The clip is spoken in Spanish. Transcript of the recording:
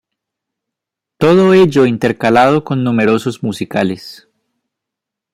Todo ello intercalado con números musicales.